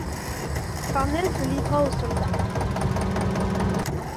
Farnèse le livra aux soldats.